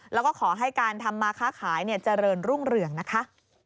แล้วก็ขอให้การทำมาค้าขายเจริญรุ่งเรืองนะคะ